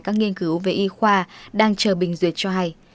các nghiên cứu về y khoa đang chờ bình duyệt cho hay